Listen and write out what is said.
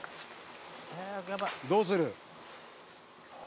「どうする？」